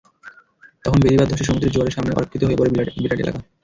তখন বেড়িবাঁধ ধসে সমুদ্রের জোয়ারের সামনে অরক্ষিত হয়ে পড়ে বিরাট এলাকা।